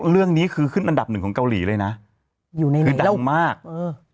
เรื่องนี้คือขึ้นอันดับหนึ่งของเกาหลีเลยนะอยู่ในมือดังมากเออ